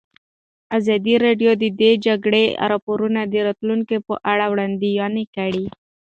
ازادي راډیو د د جګړې راپورونه د راتلونکې په اړه وړاندوینې کړې.